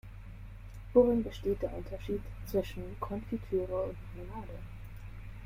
Worin besteht der Unterschied zwischen Konfitüre und Marmelade?